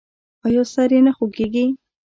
ایا سر یې نه خوږیږي؟